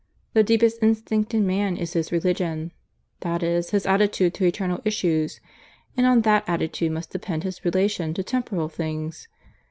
The deepest instinct in man is his religion, that is, his attitude to eternal issues; and on that attitude must depend his relation to temporal things.